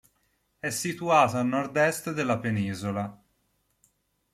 È situato a nord-est della penisola.